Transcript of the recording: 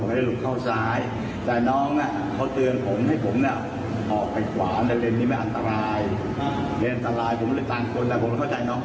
หรือไปถัดโทรศัพท์นะครับ